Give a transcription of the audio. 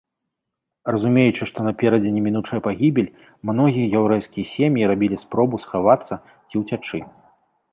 Разумеючы, што наперадзе немінучая пагібель, многія яўрэйскія сям'і рабілі спробу схавацца ці ўцячы.